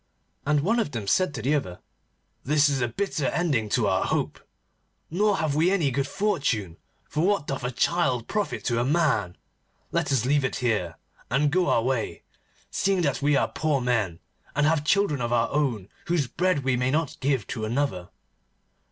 And one of them said to the other: 'This is a bitter ending to our hope, nor have we any good fortune, for what doth a child profit to a man? Let us leave it here, and go our way, seeing that we are poor men, and have children of our own whose bread we may not give to another.